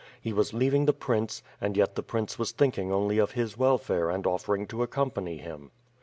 He was leaving the prince, and yet the prince was thinking only of his welfare and offering to ac company him.